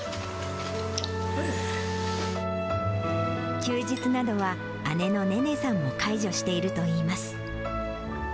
休日などは、姉のねねさんも介助しているといいます。